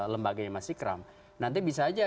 lembaga yang masih kram nanti bisa aja